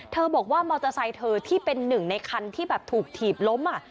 บอกว่ามอเตอร์ไซค์เธอที่เป็นหนึ่งในคันที่แบบถูกถีบล้ม